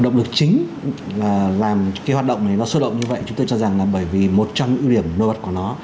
động lực chính làm cái hoạt động này nó xuất động như vậy chúng tôi cho rằng là bởi vì một trong những điểm nô bật của nó